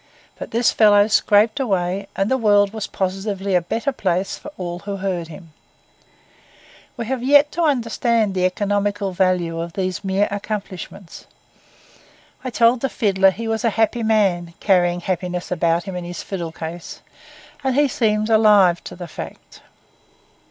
But this fellow scraped away; and the world was positively a better place for all who heard him. We have yet to understand the economical value of these mere accomplishments. I told the fiddler he was a happy man, carrying happiness about with him in his fiddle case, and he seemed alive to the fact.